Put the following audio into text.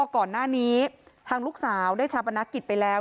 ก่อนหน้านี้ทางลูกสาวได้ชาปนกิจไปแล้ว